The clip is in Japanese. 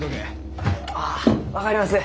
あ分かります。